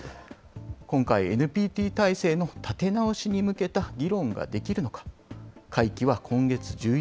今回、ＮＰＴ体制の立て直しに向けた議論ができるのか。